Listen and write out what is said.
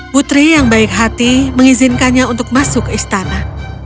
putri yang baik hati mengizinkannya untuk masuk ke istana